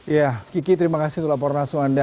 ya kiki terima kasih untuk laporan langsung anda